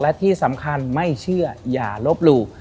และที่สำคัญไม่เชื่ออย่าลบหลู่